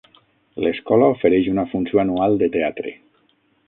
L'escola ofereix una funció anual de teatre.